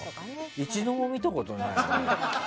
一度も見たことないよ。